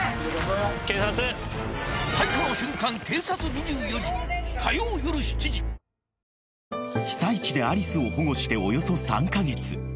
２１［被災地でアリスを保護しておよそ３カ月］